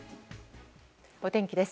お天気です。